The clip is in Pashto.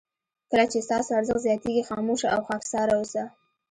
کله چې ستاسو ارزښت زیاتېږي خاموشه او خاکساره اوسه.